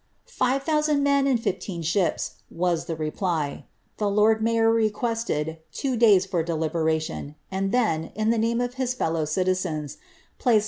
Five thousand men and fifteen ships," was t The lord mayor requested two davs for deliberation, and the name of his fellow citizens, placed "lO.